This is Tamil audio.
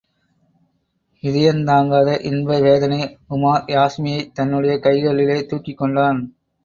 இதயந்தாங்காத இன்ப வேதனை உமார் யாஸ்மியைத் தன்னுடைய கைகளிலே தூக்கிக் கொண்டான்.